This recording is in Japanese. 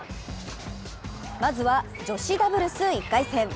まずは女子ダブルス１回戦。